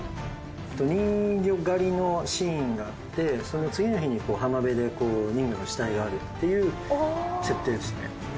人魚狩りのシーンがあってその次の日に波辺で人魚の死体があるっていう設定ですね。